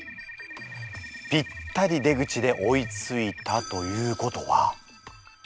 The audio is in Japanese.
ぴったり出口で追いついたということは？